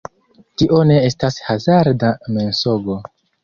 Tio ne estas hazarda mensogo.